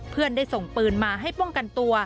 เพื่อนได้ส่งปืนมาให้ป้องกันตัว